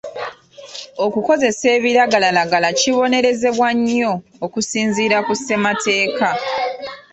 Okukozesa ebiragalalagala kibonerezebwa nnyo okusinziira ku ssemateeka.